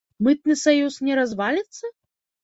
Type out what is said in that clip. Мытны саюз не разваліцца?